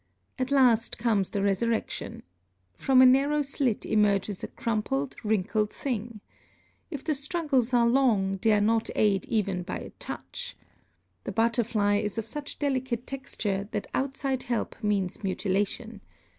At last comes the resurrection. From a narrow slit emerges a crumpled, wrinkled thing. If the struggles are long, dare not aid even by a touch! The butterfly is of such delicate texture that outside help means mutilation.